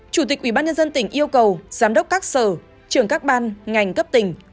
chủ tịch ủy ban nhân dân tỉnh yêu cầu giám đốc các sở trường các ban ngành cấp tỉnh